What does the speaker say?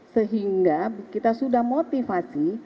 sehingga kita sudah motivasi